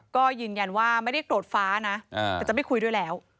ก็ยืนยันว่าไม่ได้โกรธฟ้านะแต่จะไม่คุยด้วยแล้ว